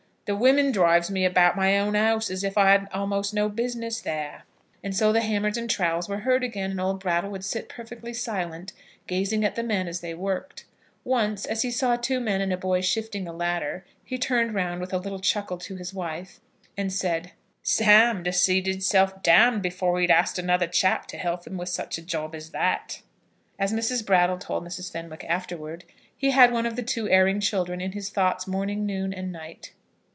The women drives me about my own house as if I hadn't a'most no business there." And so the hammers and trowels were heard again; and old Brattle would sit perfectly silent, gazing at the men as they worked. Once, as he saw two men and a boy shifting a ladder, he turned round, with a little chuckle to his wife, and said, "Sam'd 'a see'd hisself d d, afore he'd 'a asked another chap to help him with such a job as that." As Mrs. Brattle told Mrs. Fenwick afterwards, he had one of the two erring children in his thoughts morning, noon, and night.